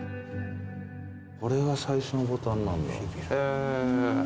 これが最初のボタンなんだ。